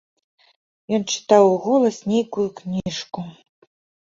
Ён чытаў уголас нейкую кніжку.